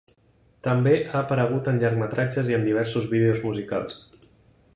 També ha aparegut en llargmetratges i en diversos vídeos musicals.